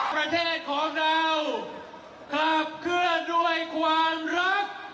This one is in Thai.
ประเทศของเราขับเคลื่อนด้วยความรัก